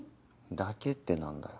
「だけ」ってなんだよ。